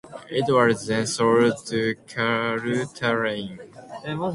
It was then sold to Caltrain.